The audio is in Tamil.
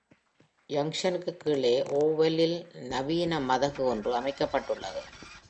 ஜங்ஷனுக்குக் கீழே Orwell-லில் நவீன மதகு ஒன்று அமைக்கப்பட்டுள்ளது.